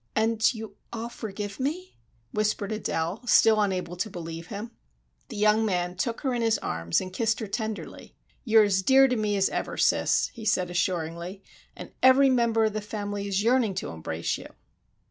"And you all forgive me?" whispered Adele, still unable to believe him. The young man took her in his arms and kissed her tenderly. "You are as dear to me as ever, sis," he said, assuringly, "and every member of the family is yearning to embrace you."